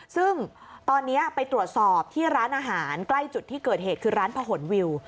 ซึ่งตอนนี้ไปตรวจสอบที่ร้านอาหารใกล้จุดที่เกิดเหตุคือร้านผนวิว